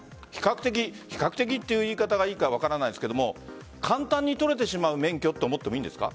比較的という言い方がいいか分かりませんが簡単に取れてしまう免許と思ってもいいですか？